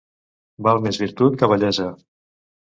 Val més virtut que bellesa.